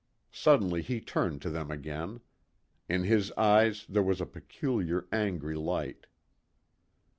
Suddenly he turned to them again. In his eyes there was a peculiar, angry light.